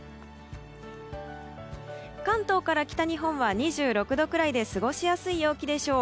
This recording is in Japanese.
関東から北日本は２６度くらいで過ごしやすい陽気でしょう。